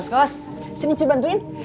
bapak sudah berjaya menangkan bapak